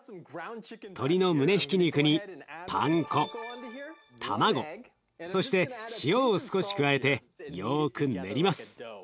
鶏の胸ひき肉にパン粉卵そして塩を少し加えてよく練ります。